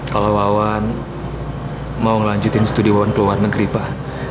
kalau wawan mau ngelanjutin studi wawan ke luar negeri pak